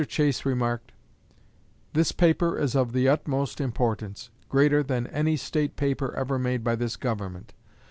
Chase remarked: "This paper is of the utmost importance, greater than any state paper ever made by this Government.